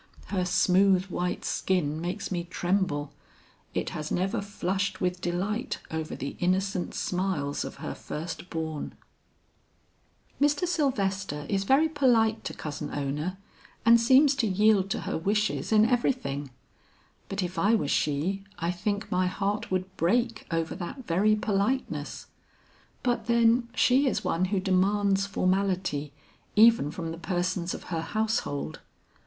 Her smooth white skin makes me tremble; it has never flushed with delight over the innocent smiles of her firstborn." "Mr. Sylvester is very polite to Cousin Ona and seems to yield to her wishes in everything. But if I were she I think my heart would break over that very politeness. But then she is one who demands formality even from the persons of her household.